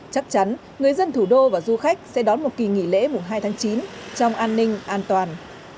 chắc chắn người dân thủ đô và du khách sẽ đón một kỳ nghỉ lễ mùng hai tháng chín trong an ninh an toàn